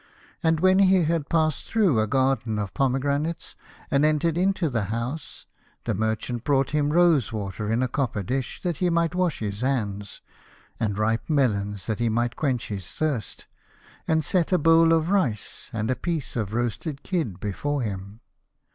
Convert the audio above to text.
And when he had passed through a garden of pome granates and entered into the house, the mer chant brought him rose water in a copper dish that he might wash his hands, and ripe melons that he might quench his thirst, and set a bowl of rice and a piece of roasted kid before him.